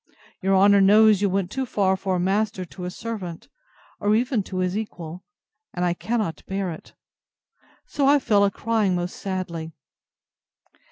—Your honour knows you went too far for a master to a servant, or even to his equal; and I cannot bear it. So I fell a crying most sadly.